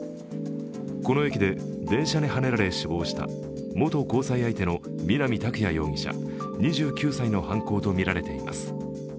この駅で電車にはねられ死亡した元交際相手の南拓哉容疑者２９歳の犯行とみられています。